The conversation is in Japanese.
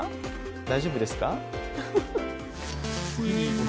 大丈夫ですか？